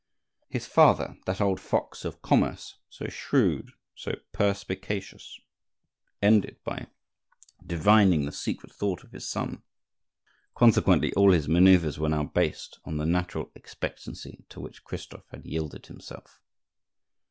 His father, that old fox of commerce, so shrewd, so perspicacious, ended by divining the secret thought of his son; consequently, all his manoeuvres were now based on the natural expectancy to which Christophe had yielded himself.